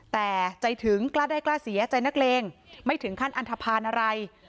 แต่ใจถึงกล้าได้กล้าเสียใจนักเลงไม่ถึงขั้นอันทภาณอะไร